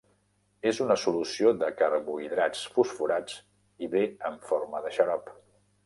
És una solució de carbohidrats fosforats i ve en forma de xarop.